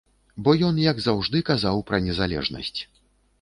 Бо ён, як заўжды, казаў пра незалежнасць.